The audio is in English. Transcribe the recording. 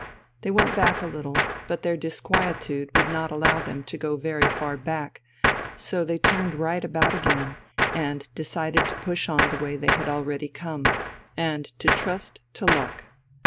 They went back a little, but their disquietude would not allow them to go very far back, so they turned right about again, and decided to push on the way they had already come, and to trust to luck.